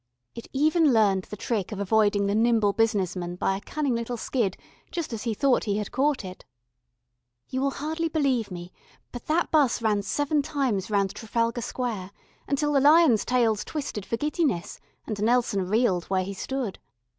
It even learned the trick of avoiding the nimble business man by a cunning little skid just as he thought he had caught it. You will hardly believe me, but that 'bus ran seven times round Trafalgar Square, until the lions' tails twisted for giddiness, and Nelson reeled where he stood.